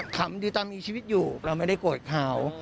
ทำดีตามผมชีวิตอยู่เราไม่ได้โปรดข่าว